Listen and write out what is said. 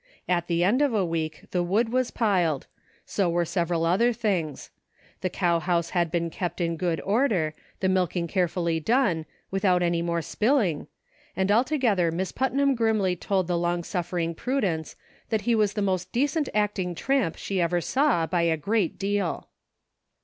At the end of a week the wood was piled ; so were several other things. The cow house had been kept in good order, the milking carefully done, without any more spilling, and altogether Miss Putnam grimly told the long suffering Prudence that he was the most decent acting tramp she ever saw, by a great deal.